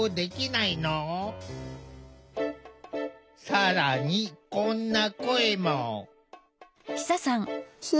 更にこんな声も。